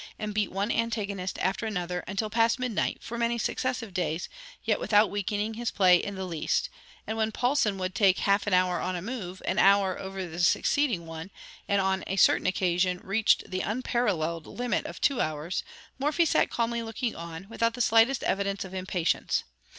and beat one antagonist after another until past midnight, for many successive days, yet without weakening his play in the least; and when Paulsen would take half an hour on a move, an hour over the succeeding one, and on a certain occasion reached the unparalleled limit of two hours, Morphy sat calmly looking on, without the slightest evidence of impatience.